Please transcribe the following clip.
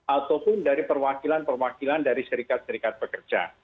ataupun dari perwakilan perwakilan dari serikat serikat pekerja